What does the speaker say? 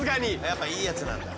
やっぱいいやつなんだ。